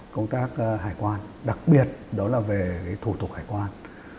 công tác hải quan đặc biệt đó là về thủ tục hải quan